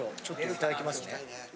ちょっといただきますね。